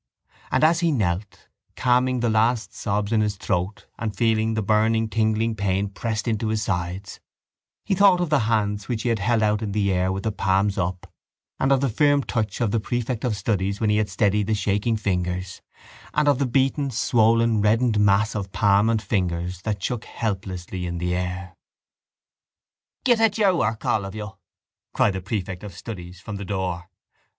And as he knelt, calming the last sobs in his throat and feeling the burning tingling pain pressed into his sides, he thought of the hands which he had held out in the air with the palms up and of the firm touch of the prefect of studies when he had steadied the shaking fingers and of the beaten swollen reddened mass of palm and fingers that shook helplessly in the air. —Get at your work, all of you, cried the prefect of studies from the door.